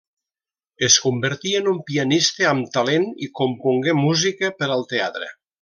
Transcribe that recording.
Es convertí en un pianista amb talent i compongué música per al teatre.